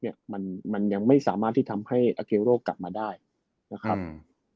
เนี่ยมันมันยังไม่สามารถที่ทำให้อาเกโรกลับมาได้นะครับอืม